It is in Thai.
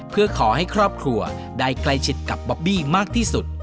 เพื่อขอให้ครอบครัวได้ใกล้ชิดกับบอบบี้มากที่สุด